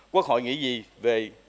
quốc hội nghĩ gì về